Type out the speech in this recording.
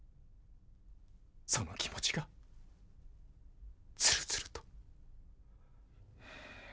その気持ちがずるずると。